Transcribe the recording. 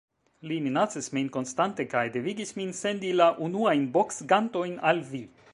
Li minacis min konstante kaj devigis min sendi la unuajn boksgantojn al vi.